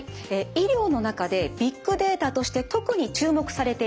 医療の中でビッグデータとして特に注目されているもの